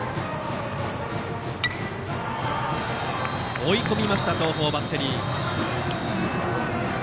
追い込みました東邦バッテリー。